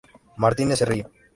Martínez Cerrillo.